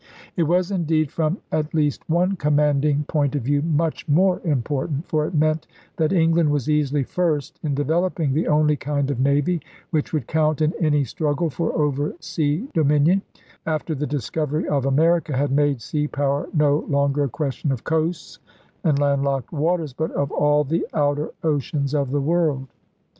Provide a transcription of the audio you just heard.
It was, indeed, from at least one commanding 28 ELIZABETHAN SEA DOGS point of view, much more important; for it meant that England was easily first in developing the only kind of navy which would count in any struggle for oversea dominion after the discovery of America had made sea power no longer a ques tion of coasts and landlocked waters but of all the outer oceans of the world.